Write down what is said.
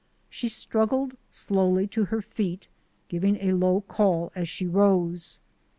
She struggled slowly to her feet, giving a low call as she rose.